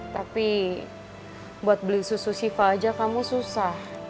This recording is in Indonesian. tapi buat beli susu shiva aja kamu susah